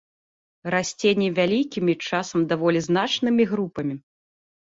Расце невялікімі, часам даволі значнымі групамі.